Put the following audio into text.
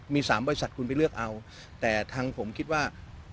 มี๓บริษัทคุณไปเลือกเอาแต่ทางผมคิดว่า